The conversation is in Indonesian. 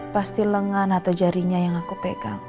pasti lengan atau jarinya yang aku pegang